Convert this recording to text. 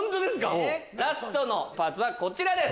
ラストのパーツはこちらです！